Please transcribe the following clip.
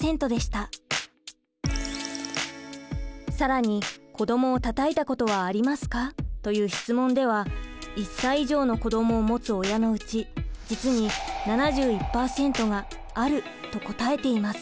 更に「子どもをたたいたことはありますか？」という質問では１歳以上の子どもを持つ親のうち実に７１％が「ある」と答えています。